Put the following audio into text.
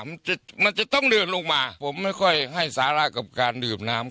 มันจะมันจะต้องเดินลงมาผมไม่ค่อยให้สาระกับการดื่มน้ำ